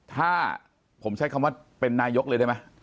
ถ้าผมใช้คำว่าเป็นนายกเลยได้ไหม